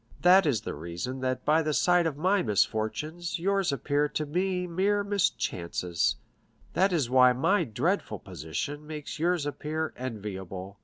That is the reason that by the side of my misfortunes yours appear to me mere mischances; that is why my dreadful position makes yours appear enviable.